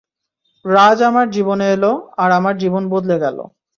রাজ আমার জীবনে এলো, আর আমার জীবন বদলে গেলো।